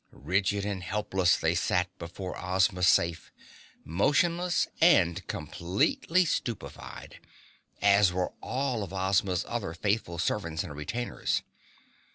Rigid and helpless they sat before Ozma's safe, motionless and completely stupefied, as were all of Ozma's other faithful servants and retainers.